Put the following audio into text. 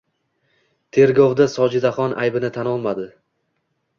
Tergovda Sojidaxon aybini tan olmadi